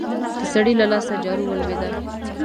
د سړي له لاسه جارو ولوېده.